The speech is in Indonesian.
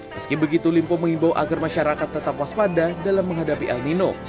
meski begitu limpo mengimbau agar masyarakat tetap waspada dalam menghadapi el nino